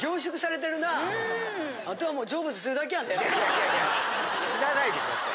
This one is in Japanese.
いやいや死なないでください。